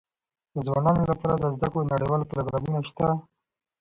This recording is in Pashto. د ځوانانو لپاره د زده کړو نړيوال پروګرامونه سته.